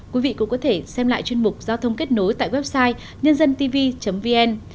quý vị cũng có thể xem lại chuyên mục giao thông kết nối tại website nhândântv vn